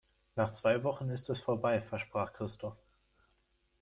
Nach zwei Wochen ist es vorbei, versprach Christoph.